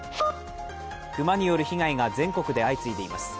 熊による被害が全国で相次いでいます。